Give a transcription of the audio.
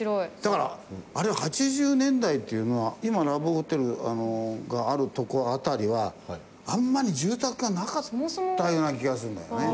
だから８０年代というのは今ラブホテルがある所辺りはあんまり住宅がなかったような気がするんだよね。